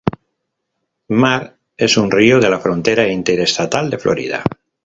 Marks es un río de la frontera interestatal de Florida.